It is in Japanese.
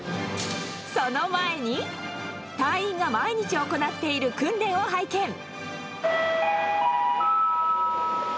その前に、隊員が毎日行っている訓練を拝見。